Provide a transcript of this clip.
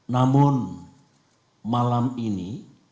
namun malam ini